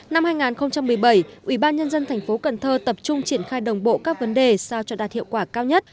năm hai nghìn một mươi bảy ubnd tp cần thơ tập trung triển khai đồng bộ các vấn đề sao cho đạt hiệu quả cao nhất